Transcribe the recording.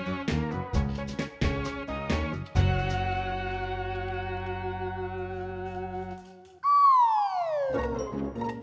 terusnya volume mengurang